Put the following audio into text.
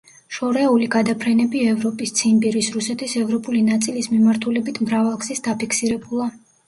შორეული გადაფრენები ევროპის, ციმბირის, რუსეთის ევროპული ნაწილის მიმართულებით მრავალგზის დაფიქსირებულა.